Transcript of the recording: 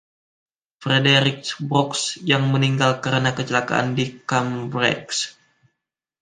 Frederic Brooks, yang meninggal karena kecelakaan di Cambridge.